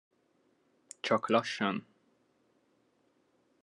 Csak lassan!